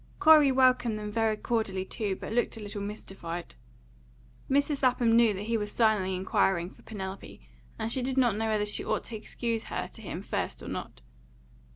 Corey welcomed them very cordially too, but looked a little mystified. Mrs. Lapham knew that he was silently inquiring for Penelope, and she did not know whether she ought to excuse her to him first or not.